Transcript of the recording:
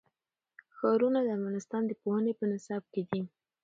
ښارونه د افغانستان د پوهنې په نصاب کې دي.